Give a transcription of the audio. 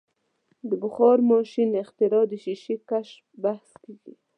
د بخار ماشین اختراع د شیشې کشف بحث کیږي.